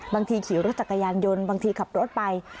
ขี่รถจักรยานยนต์บางทีขับรถไป